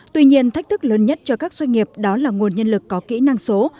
tuy nhiên thách thức lớn nhất cho các doanh nghiệp đó là nguồn nhân lực có kỹ năng số